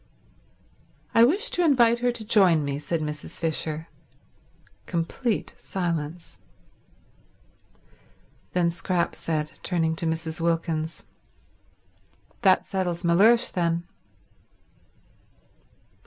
"I wish to invite her to join me," said Mrs. Fisher. Complete silence. Then Scrap said, turning to Mrs. Wilkins, "That settles Mellersh, then."